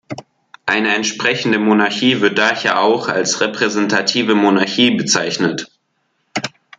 Eine entsprechende Monarchie wird daher auch als Repräsentative Monarchie bezeichnet.